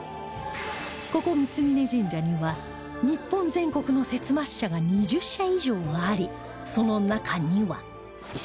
ここ三峯神社には日本全国の摂末社が２０社以上ありその中には